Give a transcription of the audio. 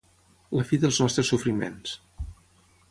La fi dels nostres sofriments.